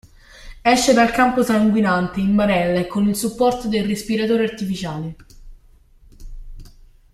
Esce dal campo sanguinante, in barella e con il supporto del respiratore artificiale.